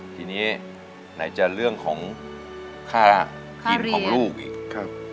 ทีนี้ไหนจะเรื่องของค่ากินของลูกอีกครับ